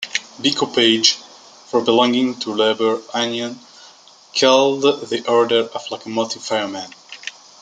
B. Coppage for belonging to labor union called the Order of Locomotive Fireman.